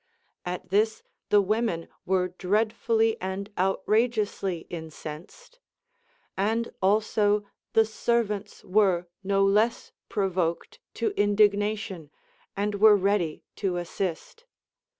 At this the women were dreadfully and outrageously incensed ; and also the servants were no less provoked to indignation, and Avere ready to assist.